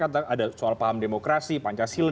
ada soal paham demokrasi pancasila